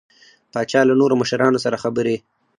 پاچا له نورو مشرانو سره خبرې